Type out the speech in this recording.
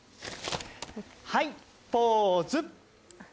はい、ポーズ！